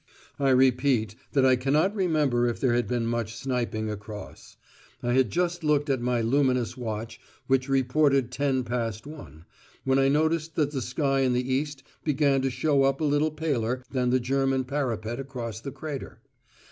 I repeat that I cannot remember if there had been much sniping across. I had just looked at my luminous watch, which reported ten past one, when I noticed that the sky in the east began to show up a little paler than the German parapet across the crater.